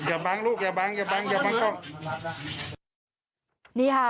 แม่ข้าวอย่าบังลูกอย่าบังอย่าบังอย่าบังข้าว